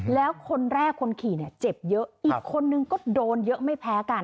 แล้วคนแรกคนขี่เนี่ยเจ็บเยอะอีกคนนึงก็โดนเยอะไม่แพ้กัน